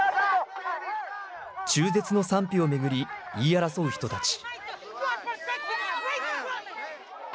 中絶の賛否を巡り、言い争う人たち。